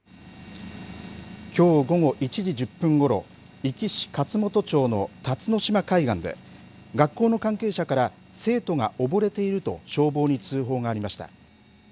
きょう午後１時１０分ごろ、壱岐市勝本町の辰ノ島海岸で、学校の関係者から、生徒が溺れていると消防に通報がありました。